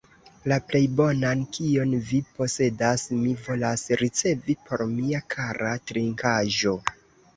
La plej bonan, kion vi posedas, mi volas ricevi por mia kara trinkaĵo!